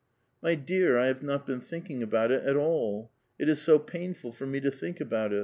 '* My dear,^ I have not been thinking about it at all. It is ^ paiuful for me to think about it." 1 M<H drag.